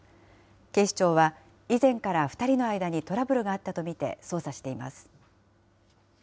警視庁は、以前から２人の間にトラブルがあったと見て捜査しています。